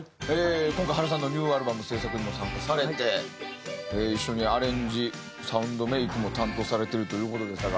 今回原さんのニューアルバム制作にも参加されて一緒にアレンジサウンドメイクも担当されてるという事でしたが。